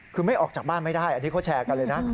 คือไม่ออกจากบ้านไม่ได้อันนี้เขาแชร์กันเลยนะ